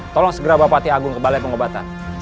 tolong segera bapak tiagung ke balai pengobatan